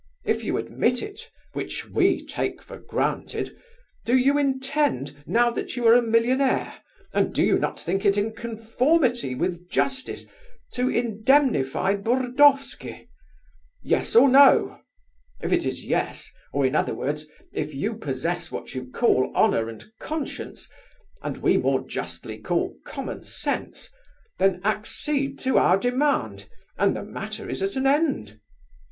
If you admit it (which we take for granted), do you intend, now that you are a millionaire, and do you not think it in conformity with justice, to indemnify Burdovsky? Yes or no? If it is yes, or, in other words, if you possess what you call honour and conscience, and we more justly call common sense, then accede to our demand, and the matter is at an end.